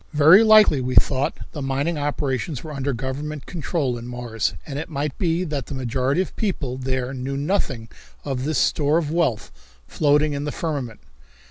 Very likely, we thought, the mining operations were under government control in Mars and it might be that the majority of the people there knew nothing of this store of wealth floating in the firmament.